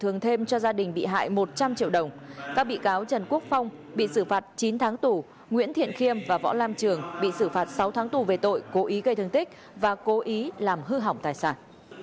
năm ngang bị xử phạt chín tháng tù nguyễn thiện khiêm và võ lam trường bị xử phạt sáu tháng tù về tội cố ý gây thương tích và cố ý làm hư hỏng tài sản